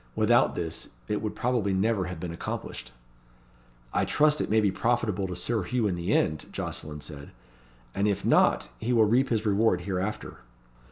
Without this, it would probably never have been accomplished." "I trust it may be profitable to Sir Hugh in the end," Jocelyn said; "and if not, he will reap his reward hereafter."